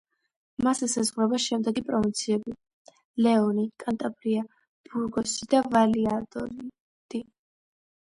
მას ესაზღვრება შემდეგი პროვინციები: ლეონი, კანტაბრია, ბურგოსი და ვალიადოლიდი.